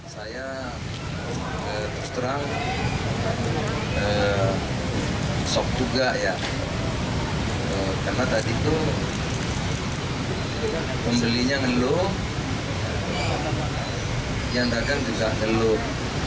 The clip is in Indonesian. sok juga ya karena tadi itu pembelinya ngeluh yang dagang juga ngeluh